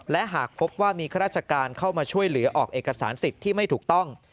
และหากพบว่ามีข้าราชการเข้ามาช่วยเหลือออกเอกสารสิทธิ์ที่ไม่ถูกต้อง